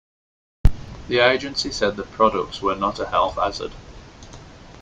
The agency said the products were not a health hazard.